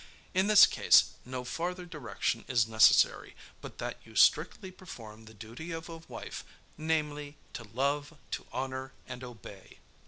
In this case no farther direction is necessary, but that you strictly perform the duty of a wife, namely, to love, to honor, and obey.